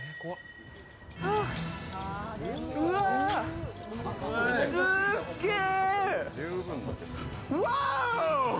うわ、すっげえ！